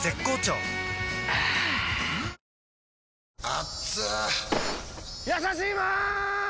あぁやさしいマーン！！